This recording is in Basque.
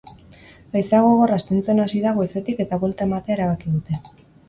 Haizea gogor astintzen hasi da goizetik eta buelta ematea erabaki dute.